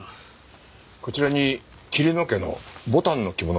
こちらに桐野家の牡丹の着物がありますよね？